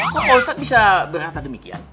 kok polsek bisa berkata demikian